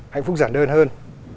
hạnh phúc giảm đơn hơn